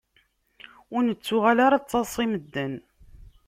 Ur nettuɣal ara d taḍṣa i medden.